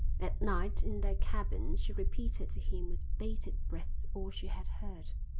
At night in their cabin she repeated to him with bated breath all she had heard.